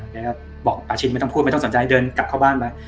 แกก็บอกปาชินไม่ต้องพูดไม่ต้องสนใจเดินกลับเข้าบ้านไป